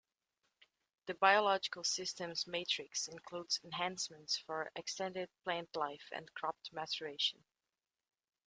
The biological systems matrix includes enhancements for extended plant life and crop maturation.